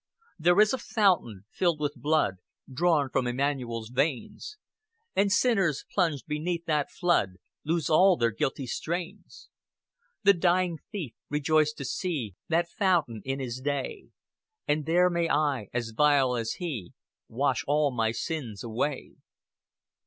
"There is a fountain filled with blood, Drawn from Emmanuel's veins; And sinners plunged beneath that flood, Lose all their guilty stains. "The dying thief rejoiced to see That fountain in his day; And there may I, as vile as he, Wash all my sins away."